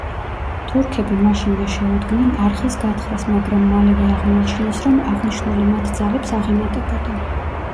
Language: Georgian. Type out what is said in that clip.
თურქები მაშინვე შეუდგნენ არხის გათხრას, მაგრამ მალევე აღმოაჩინეს რომ აღნიშნული მათ ძალებს აღემატებოდა.